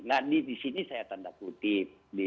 nah disini saya tanda putih